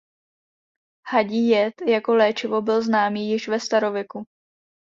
Hadí jed jako léčivo byl známý již ve starověku.